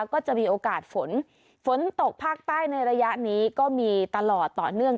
ก็จะมีโอกาสฝนฝนตกภาคใต้ในระยะนี้ก็มีตลอดต่อเนื่อง